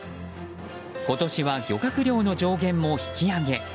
今年は漁獲量の上限も引き上げ。